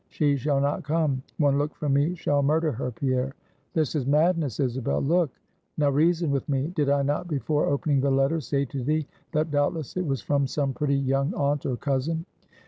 She shall not come! One look from me shall murder her, Pierre!" "This is madness, Isabel. Look: now reason with me. Did I not before opening the letter, say to thee, that doubtless it was from some pretty young aunt or cousin?"